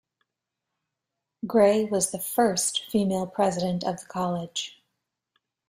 Gray was the first female president of the college.